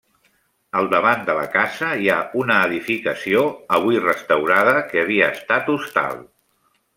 Al davant de la casa hi ha una edificació, avui restaurada, que havia estat hostal.